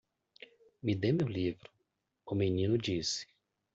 "Me dê meu livro?" o menino disse.